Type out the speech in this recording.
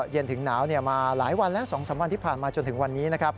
เย็นถึงหนาวมาหลายวันแล้ว๒๓วันที่ผ่านมาจนถึงวันนี้นะครับ